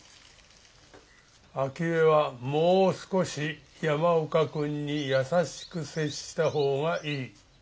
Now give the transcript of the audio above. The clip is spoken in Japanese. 明恵はもう少し山岡君に優しく接した方がいい。